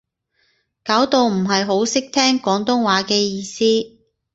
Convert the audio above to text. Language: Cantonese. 搞到唔係好識聽廣東話嘅意思